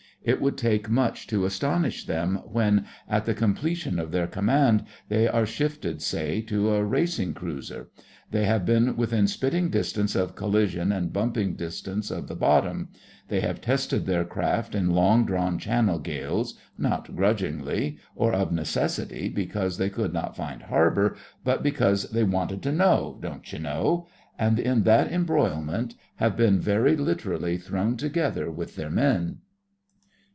It would take much to astonish them when, at the completion of their command, they are shifted, say, to a racing cruiser. They have been within spitting distance of collision and bumping distance of the bottom; they have tested their craft in long drawn Channel gales, not grudgingly or of necessity because they could not find harbour, but because they 'wanted to know, don't you know;' and in that embroilment have been very literally thrown together with their men.